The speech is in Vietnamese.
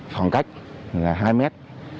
phòng cách là hai mét